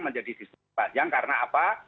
menjadi terpanjang karena apa